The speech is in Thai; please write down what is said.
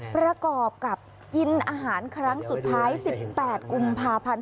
ประกอบกับกินอาหารครั้งสุดท้าย๑๘กุมภาพันธ์